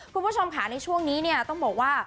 คุณผู้ชมขาดในช่วงนี้ต้องบอกว่า